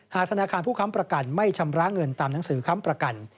ธนาคารผู้ค้ำประกันไม่ชำระเงินตามหนังสือค้ำประกัน